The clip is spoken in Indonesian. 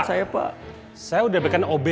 saya udah belikan ob yang baru